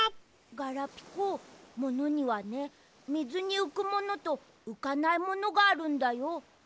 ガラピコものにはねみずにうくものとうかないものがあるんだよ。